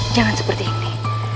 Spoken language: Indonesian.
jangan seperti ini